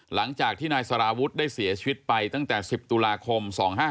หลังจากที่นายสารวุฒิได้เสียชีวิตไปตั้งแต่๑๐ตุลาคม๒๕๕๙